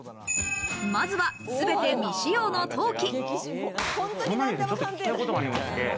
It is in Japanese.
まずは、すべて未使用の陶器。